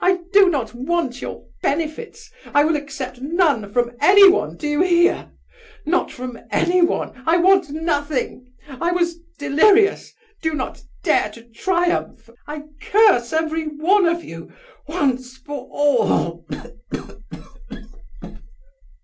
I do not want your benefits; I will accept none from anyone; do you hear? Not from any one! I want nothing! I was delirious, do not dare to triumph! I curse every one of you, once for all!"